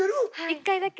一回だけ。